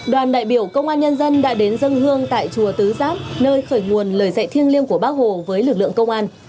đoàn đại biểu công an nhân dân đã đến dân hương tại chùa tứ giác nơi khởi nguồn lời dạy thiêng liêng của bác hồ với lực lượng công an